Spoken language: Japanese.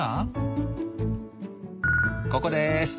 ここです！